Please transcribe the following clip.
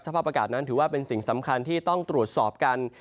ภาพอากาศนั้นถือว่าเป็นสิ่งสำคัญที่ต้องตรวจสอบกัน